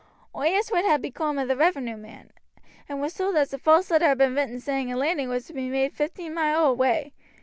"Oi asked what had becoom of the revenue men, and was told as a false letter had been writ saying a landing was to be made fifteen mile away.